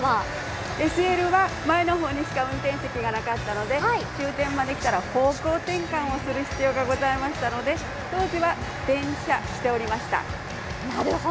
ＳＬは前の方にしか運転席がなかったので終点まで行ったら方向転換する必要がありましたので、当時は転車していました。